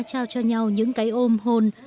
trao cho nhau những cái ôm hôn